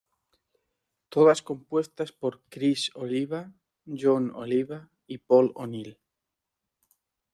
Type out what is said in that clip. Todas compuestas por Criss Oliva, Jon Oliva y Paul O'Neill.